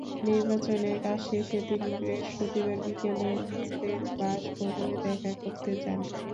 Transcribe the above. নির্বাচনের কাজ শেষে তিনি বৃহস্পতিবার বিকেলে মেয়রের বাসভবনে দেখা করতে যান।